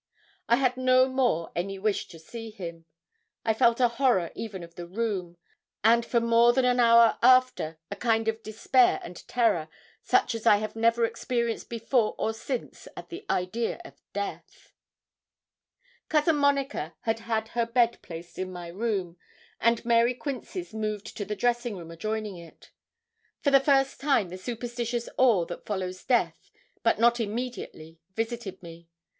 I had no more any wish to see him. I felt a horror even of the room, and for more than an hour after a kind of despair and terror, such as I have never experienced before or since at the idea of death. Cousin Monica had had her bed placed in my room, and Mary Quince's moved to the dressing room adjoining it. For the first time the superstitious awe that follows death, but not immediately, visited me.